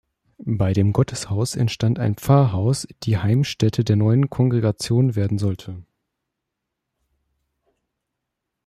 Bei dem Gotteshaus entstand ein Pfarrhaus, die Heimstätte der neuen Kongregation werden sollte.